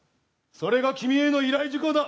それが君への依頼事項だ。